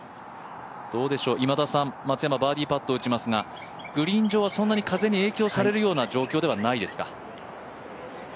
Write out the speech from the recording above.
どうでしょう、松山、バーディーパットを打ちますがグリーン上はそんなに風に影響されるような状態ではないですか？